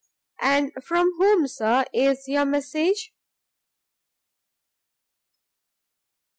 "And from whom, Sir, is your message?"